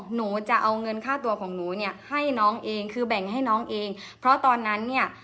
หนูจะเอาเงินค่าตัวของหนูเนี่ยให้น้องเองคือแบ่งให้น้องเองเพราะตอนนั้นเนี่ย